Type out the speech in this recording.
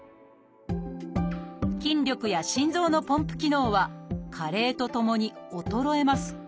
筋力や心臓のポンプ機能は加齢とともに衰えます。